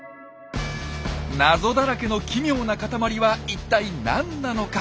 謎だらけの奇妙なかたまりは一体何なのか？